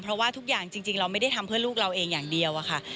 เพราะว่าทุกอย่างจริงเราไม่ได้ทำเพื่อลูกเราเองอย่างเดียวอะค่ะ